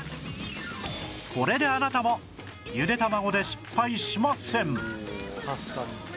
これであなたもゆでたまごで失敗しません